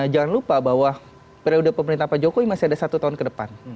jangan lupa bahwa periode pemerintahan pak jokowi masih ada satu tahun ke depan